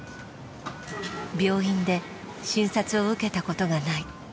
病院で診察を受けたことがない。